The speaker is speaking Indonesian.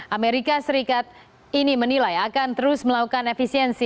amerika serikat ini menilai akan terus melakukan efisiensi